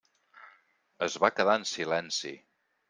Es va quedar en silenci.